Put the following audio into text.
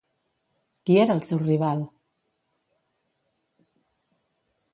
Qui era el seu rival?